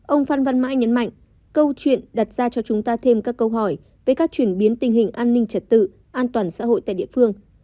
ông phan văn mãi nhấn mạnh câu chuyện đặt ra cho chúng ta thêm các câu hỏi về các chuyển biến tình hình an ninh trật tự an toàn xã hội tại địa phương